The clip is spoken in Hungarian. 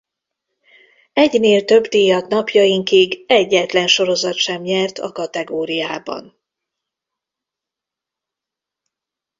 Egynél több díjat napjainkig egyetlen sorozat sem nyert a kategóriában.